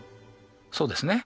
そうですね。